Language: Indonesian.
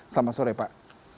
selamat sore pak